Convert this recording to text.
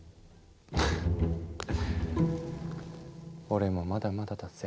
俺もまだまだだぜ。